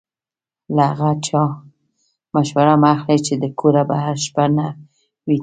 له هغه چا مشوره مه اخلئ چې د کوره بهر شپه نه وي تېره.